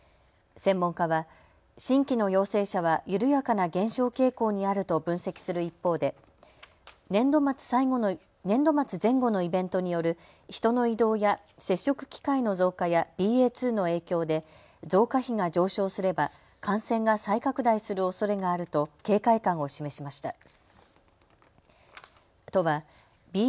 専門家は新規の陽性者は緩やかな減少傾向にあると分析する一方で年度末前後のイベントによる人の移動や接触機会の増加やＢＡ．２の影響で増加比が上昇すれば感染が再拡大するおそれがあると警戒感を示しました。